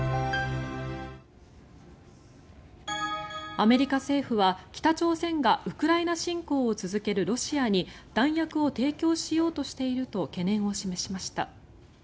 アメリカ政府は北朝鮮がウクライナ侵攻を続けるロシアに弾薬を提供しようとしていると懸念を示しました。